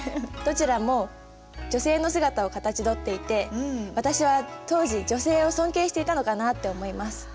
どちらも女性の姿をかたちどっていて私は当時女性を尊敬していたのかなって思います。